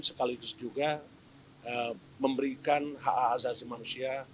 sekaligus juga memberikan hak hak asasi manusia